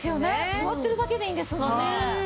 座ってるだけでいいんですもんね。